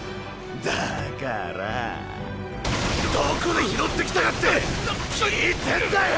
だからどこで拾ってきたかって聞いてんだよ‼